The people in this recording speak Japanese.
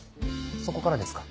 そこからですか。